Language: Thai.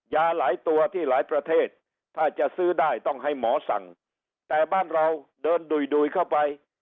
ยาหลายตัวที่หลายประเทศถ้าจะซื้อได้ต้องให้หมอสั่งแต่บ้านเราเดินดุยเข้าไป